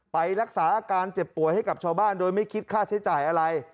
ไปรักษาอาการเจ็บป่วยให้กับชาวบ้านโดยไม่คิดค่าใช้จ่ายอะไร